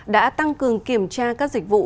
đã tăng cường kiểm tra các dịch vụ